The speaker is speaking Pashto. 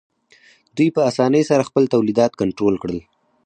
دوی په اسانۍ سره خپل تولیدات کنټرول کړل